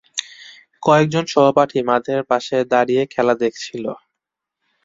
কয়েকজন সহপাঠী মাঠের পাশে দাঁড়িয়ে খেলা দেখছিল।